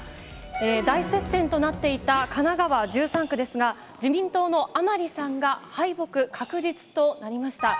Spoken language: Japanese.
大接戦となっていた神奈川１３区ですが、自民党の甘利さんが敗北確実となりました。